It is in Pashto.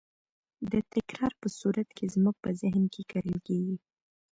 د تکرار په صورت کې زموږ په ذهن کې کرل کېږي.